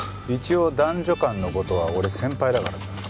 一応男女間の事は俺先輩だからさ。